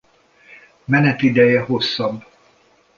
Menetideje hosszabb.